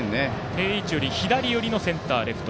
定位置より左寄りのセンター、レフト